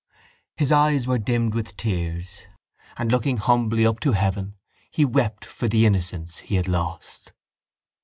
_ His eyes were dimmed with tears and, looking humbly up to heaven, he wept for the innocence he had lost.